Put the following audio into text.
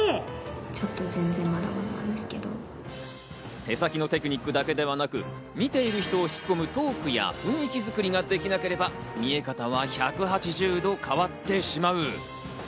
手先のテクニックだけではなく、見ている人を引き込むトークや雰囲気作りができなければ、見え方は１８０度変わってしまう。